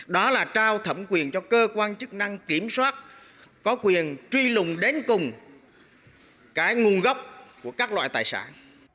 đó là trao thẩm quyền cho cơ quan chức năng kiểm soát có quyền truy lùng đến cùng cái nguồn gốc của các loại tài sản